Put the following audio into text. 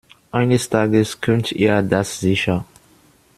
Eines Tages könnt ihr das sicher.